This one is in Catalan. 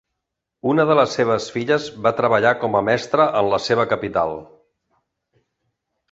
Una de les seves filles va treballar com a mestre en la seva capital.